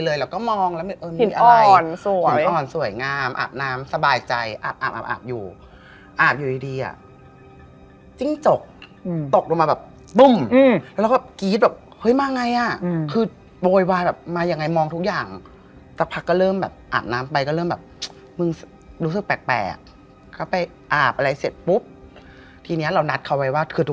แล้วหลังจากนั้นขนฝันลุกภายงาว